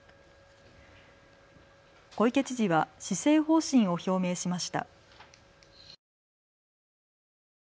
小池知事は施政方針を表明しました。